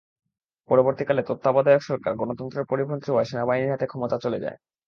পরবর্তীকালে তত্ত্বাবধায়ক সরকার গণতন্ত্রের পরিপন্থী হওয়ায় সেনাবাহিনীর হাতে ক্ষমতা চলে যায়।